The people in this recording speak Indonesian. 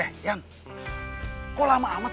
hei bernyalanya sudah nanti